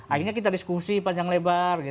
akhirnya kita diskusi panjang lebar